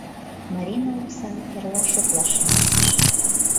Марина оксам эрла шотлаш шинчеш.